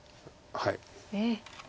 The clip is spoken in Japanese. はい。